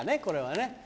これはね。